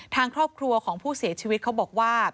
ทางครอบครัวของผู้เสียชีวิตเขาบอกว่า